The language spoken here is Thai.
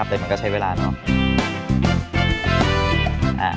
ครับแต่มันก็ใช้เวลาหน้า